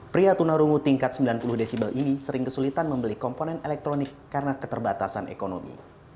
pria tunarungu tingkat sembilan puluh decibel ini sering kesulitan membeli komponen elektronik karena keterbatasan ekonomi